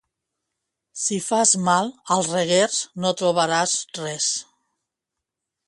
Si fas mal, als Reguers no trobaràs res.